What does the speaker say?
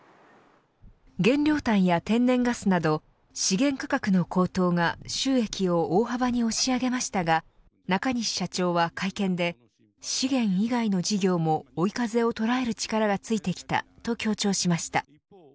原料炭や天然ガスなど資源価格の高騰が収益を大幅に押し上げましたが中西社長は会見で資源以外の事業も追い風を捉える力がついてきたと強調しました。